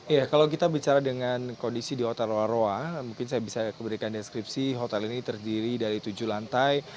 ya kalau kita bicara dengan kondisi di hotel roa roa mungkin saya bisa berikan deskripsi hotel ini terdiri dari tujuh lantai